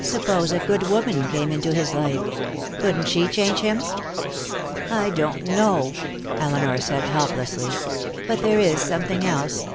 "Suppose a good woman came into his life? Couldn't she change him?" "I don't know," Elinor said helplessly. "But there is something else.